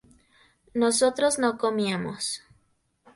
nosotros no comíamos